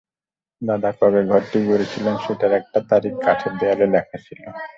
দাদা কবে ঘরটি গড়েছিলেন, সেটার একটা তারিখ কাঠের দেয়ালে লেখা ছিল।